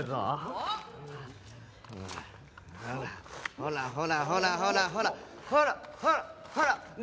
ほらほらほらほらほらほらほらほらほら。